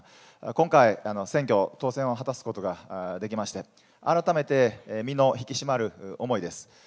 今回、選挙、当選を果たすことができまして、改めて身の引き締まる思いです。